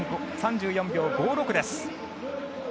３４秒５６です。